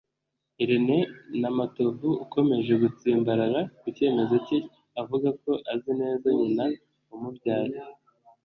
Irene Namatovu ukomeje gutsimbarara ku cyemezo cye avuga ko azi neza nyina wamubyaye